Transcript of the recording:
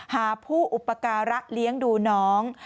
หาผู้อุปการะเลี้ยงดูน้อง